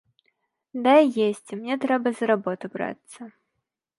Дай есці, мне трэба за работу брацца!